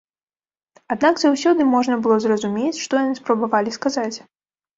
Аднак заўсёды можна было зразумець, што яны спрабавалі сказаць.